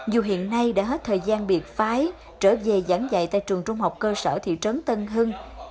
dù hiện nay đã hết thời gian biệt phái trở về giảng dạy tại trường trung học cơ sở thị trấn tân hưng